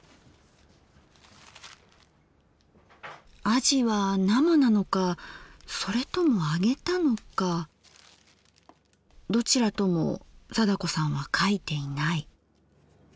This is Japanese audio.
あじは生なのかそれとも揚げたのかどちらとも貞子さんは書いていない。